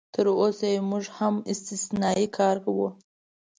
تراوسه یې موږ هم استثنایي کاروو.